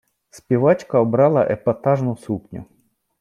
Співачка обрала епатажну сукню.